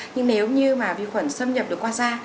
nhưng nếu như mà vi khuẩn xâm nhập được qua da